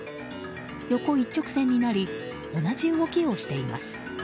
横一直線になり同じ動きをしています。